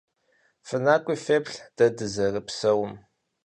ФынакӀуи феплъ дэ дызэрыпсэум.